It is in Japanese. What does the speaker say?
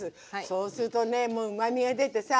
そうするとねうまみが出てさ